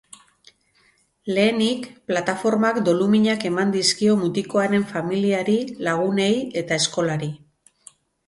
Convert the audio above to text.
Lehenik, plataformak doluminak eman dizkio mutikoaren familiari, lagunei eta eskolari.